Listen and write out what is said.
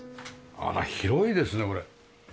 あら広いですねこれ。